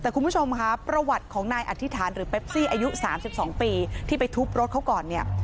แต่คุณผู้ชมค่ะประวัติของนายอธิษฐานหรือเปปซี่อายุ๓๒ปีที่ไปทุบรถเขาก่อนเนี่ย